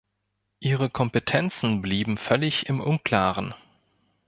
Ihre Kompetenzen blieben völlig im Unklaren.